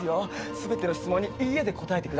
全ての質問に「いいえ」で答えてくださいね。